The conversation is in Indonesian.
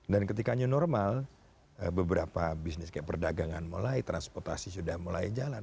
dan ketika new normal beberapa bisnis kayak perdagangan mulai transportasi sudah mulai jalan